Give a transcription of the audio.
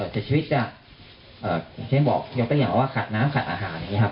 แต่ชีวิตจะอย่างที่บอกยกตัวอย่างว่าขาดน้ำขัดอาหารอย่างนี้ครับ